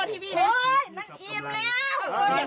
เริ่มต้นเราก่อน